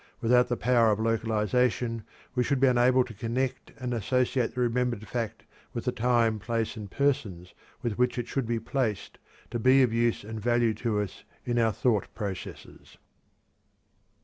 Without the power of localization we should be unable to connect and associate the remembered fact with the time, place, and persons with which it should be placed to be of use and value to us in our thought processes.